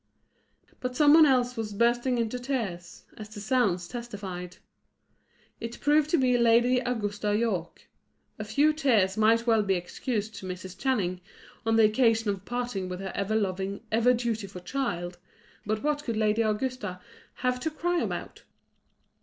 But some one else was bursting into tears: as the sounds testified. It proved to be Lady Augusta Yorke. A few tears might well be excused to Mrs. Channing, on the occasion of parting with her ever loving, ever dutiful child, but what could Lady Augusta have to cry about?